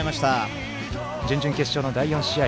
準々決勝の第４試合